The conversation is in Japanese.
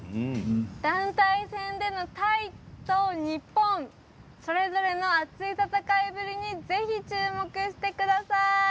団体戦のタイと日本それぞれの熱い戦いぶりにぜひ、注目してください。